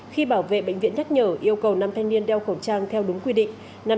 khi bảo vệ bệnh viện nhắc nhở yêu cầu nam thanh niên đeo khẩu trang theo đúng quy định